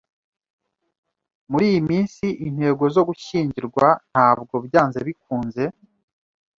Muri iyi minsi, intego zo gushyingirwa ntabwo byanze bikunze.